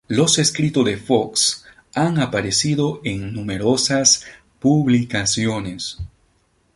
Los escritos de Fox han aparecido en numerosas publicaciones.